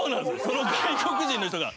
その外国人の人が。